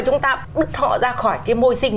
chúng ta đứt họ ra khỏi cái môi sinh